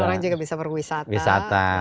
orang juga bisa berwisata